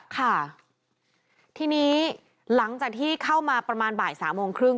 ค่ะทีนี้หลังจากที่เข้ามาประมาณบ่ายสามโมงครึ่ง